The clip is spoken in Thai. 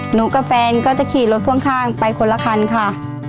หนูกับแฟนก็จะขี่รถพ่วงข้างไปคนละคันค่ะ